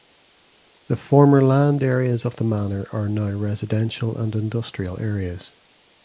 The former land areas of the manor are now residential and industrial areas.